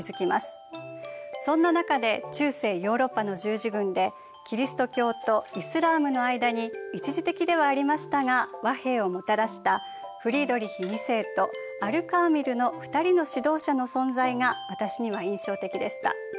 そんな中で中世ヨーロッパの十字軍でキリスト教とイスラームの間に一時的ではありましたが和平をもたらしたフリードリヒ２世とアル・カーミルの２人の指導者の存在が私には印象的でした。